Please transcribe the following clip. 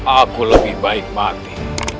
aku lebih baik mati